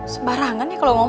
sebarangan ya kalau ngomong